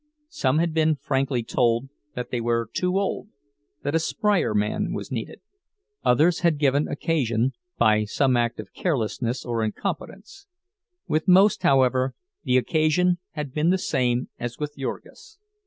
Some had been frankly told that they were too old, that a sprier man was needed; others had given occasion, by some act of carelessness or incompetence; with most, however, the occasion had been the same as with Jurgis.